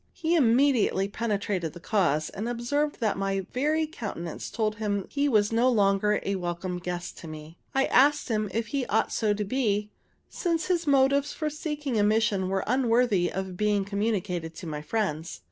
He immediately penetrated the cause, and observed that my very countenance told him he was no longer a welcome guest to me. I asked him if he ought so to be, since his motives for seeking admission were unworthy of being communicated to my friends.